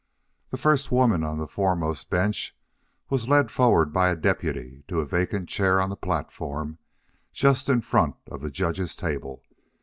The first woman on the foremost bench was led forward by a deputy to a vacant chair on the platform just in front of the judge's table.